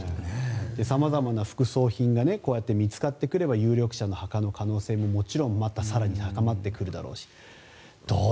様々な副葬品が見つかってくれば有力者の墓の可能性もまた更に高まってくるでしょうし。